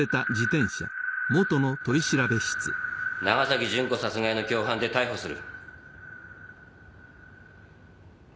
長崎純子殺害の共犯で逮捕する。